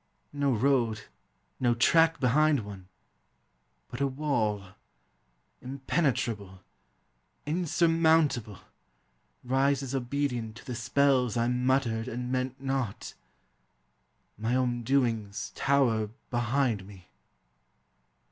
No road, no track behind one, but a wall, Impenetrable, insurmountable, Rises obedient to the spells I muttered And meant not — my own doings tower behind me.